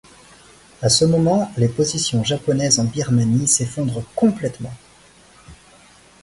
À ce moment, les positions japonaises en Birmanie s'effondrent complètement.